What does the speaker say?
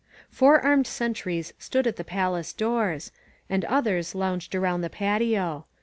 Four armed sentries stood at the palace doors, and others lounged around the patio.